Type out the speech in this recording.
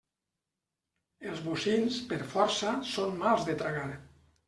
Els bocins per força són mals de tragar.